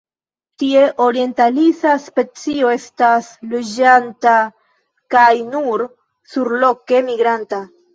Tiu orientalisa specio estas loĝanta kaj nur surloke migranta.